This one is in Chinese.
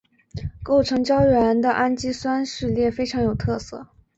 构成胶原的氨基酸序列非常有特色。